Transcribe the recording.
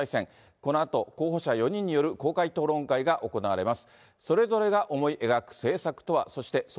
このあと候補者４人による公開討論会が行われます。